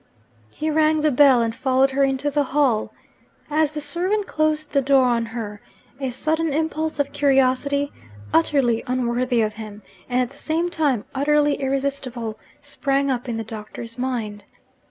He rang the bell, and followed her into the hall. As the servant closed the door on her, a sudden impulse of curiosity utterly unworthy of him, and at the same time utterly irresistible sprang up in the Doctor's mind.